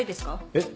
えっ？